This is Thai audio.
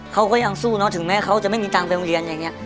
เขาก็ยังสู้เนอะถึงแม้เขาจะไม่มีตังค์ไปโรงเรียนอย่างนี้